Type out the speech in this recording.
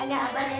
nggak marah ya